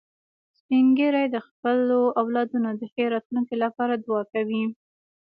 سپین ږیری د خپلو اولادونو د ښې راتلونکې لپاره دعا کوي